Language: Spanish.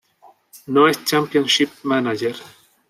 No es Championship Manager.